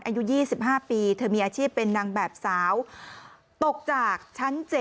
อายุ๒๕ปีเธอมีอาชีพเป็นนางแบบสาวตกจากชั้น๗